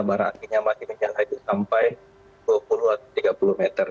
barang apinya masih menjangkau sampai dua puluh atau tiga puluh meter